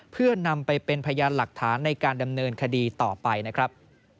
เพื่อนำไปเป็นพยานหลักฐานในการดำเนินคดีต่อไปนะครับ